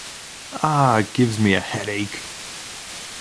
Ah! It gives me a headache!